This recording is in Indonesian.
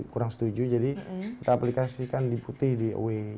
kurang setuju jadi kita aplikasikan di putih di oe